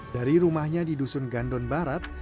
dari rumahnya di dusun gandon barat